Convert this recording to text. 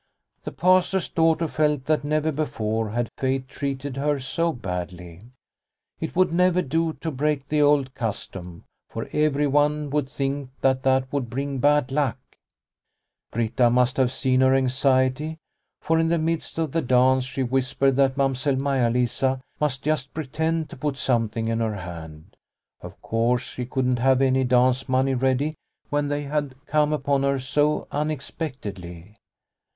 The Pastor's daughter felt that never before had fate treated her so badly. It would never do to break the old custom, for everyone would think that would bring bad luck. Britta must have seen her anxiety, for in the midst of the dance she whispered that Mamsell Maia Lisa must just pretend to put something in her hand. Of course she couldn't have any dance money ready when they had come upon her so unexpectedly.